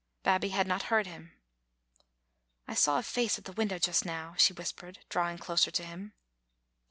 Babbie had not heard him. "I saw a face at the window just now," she whis pered, drawing closer to him.